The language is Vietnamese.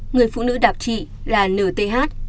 người phụ nữ đạp chị là nth